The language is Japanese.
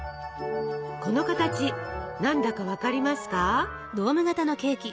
この形何だか分かりますか？